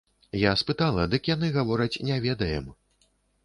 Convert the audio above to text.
Я спытала, дык яны гавораць, не ведаем.